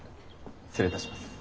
失礼いたします。